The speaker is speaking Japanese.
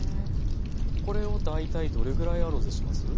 これを大体どれぐらいアロゼします？